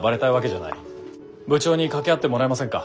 部長に掛け合ってもらえませんか？